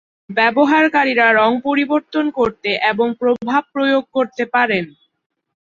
ব্যবহারকারীরা রঙ পরিবর্তন করতে এবং প্রভাব প্রয়োগ করতে পারেন।